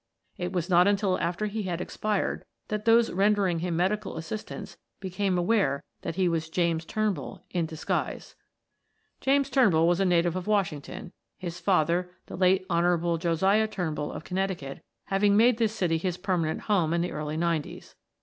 It was not until after he had expired that those rendering him medical assistance became aware that he was James Turnbull in disguise. "James Turnbull was a native of Washington, his father, the late Hon Josiah Turnbull of Connecticut, having made this city his permanent home in the early '90s.